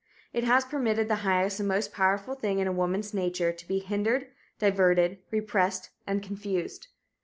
It has permitted the highest and most powerful thing in woman's nature to be hindered, diverted, repressed and confused.